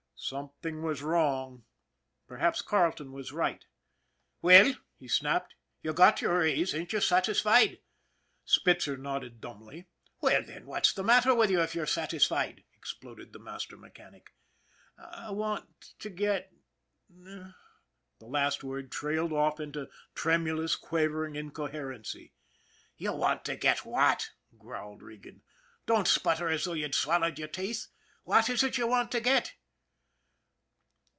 Something was wrong perhaps Carleton was right. r< Well," he snapped, " you got your raise. Ain't you satisfied ?" Spitzer nodded dumbly. " Well, then, what's the matter with you if you're satisfied ?" exploded the master mechanic. " I want to get " the last word trailed off into tremulous, quavering incoherency. " You want to get what ?" growled Regan. " Don't sputter as though you'd swallowed your teeth. What is it you want to get